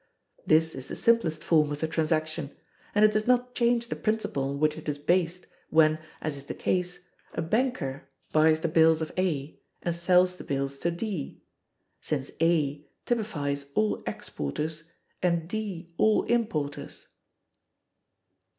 This is the simplest form of the transaction, and it does not change the principle on which it is based, when, as is the case, a banker buys the bills of A, and sells the bills to D—since A typifies all exporters and D all importers.